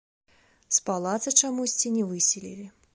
З палаца чамусьці не выселілі.